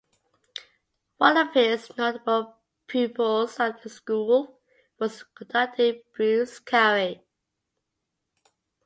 One of his notable pupils at the school was conductor Bruce Carey.